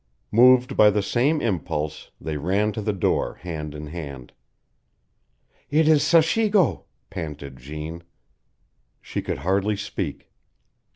Moved by the same impulse, they ran to the door, hand in hand. "It is Sachigo!" panted Jeanne. She could hardly speak.